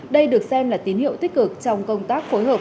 đây được xem là tín hiệu tích cực trong công tác phối hợp